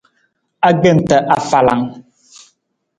Agbenta afalang.